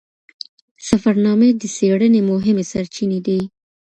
سفرنامې د څیړنې مهمې سرچینې دي.